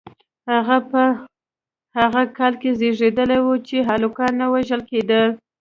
هغه په هغه کال کې زیږیدلی و چې هلکان نه وژل کېدل.